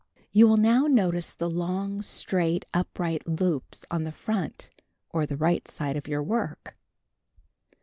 You will now notice the long straight upright loops on the front, or the right side, of your work.